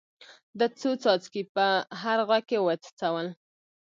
ده څو څاڅکي په هر غوږ کې وڅڅول.